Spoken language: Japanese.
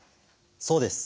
そうです。